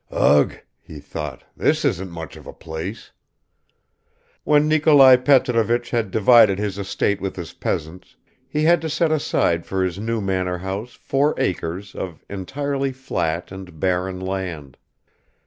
"Ugh!" he thought, "this isn't much of a place!" When Nikolai Petrovich had divided his estate with his peasants, he had to set aside for his new manor house four acres of entirely flat and barren land.